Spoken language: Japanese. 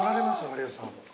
有吉さん。